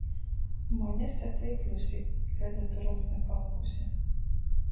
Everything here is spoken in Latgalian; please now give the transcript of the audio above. Moņa sateik Ļusi. Kaida tu rasna palykuse!